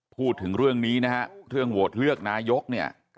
พูดถึงเรื่องนี้นะฮะเรื่องโหวตเลือกนายกเนี่ย